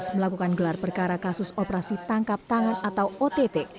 melakukan gelar perkara kasus operasi tangkap tangan atau ott